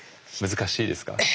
難しいですね。